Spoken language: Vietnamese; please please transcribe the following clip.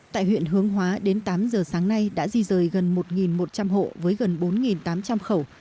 tại huyện hướng hóa đến tám giờ sáng nay đã di rời gần một một trăm linh hộ với gần bốn tám trăm linh khẩu